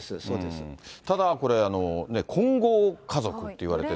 ただ、これ、混合家族といわれていて。